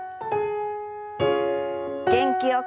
元気よく。